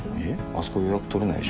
あそこ予約取れないでしょ。